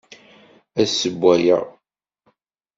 Ad sewwayeɣ.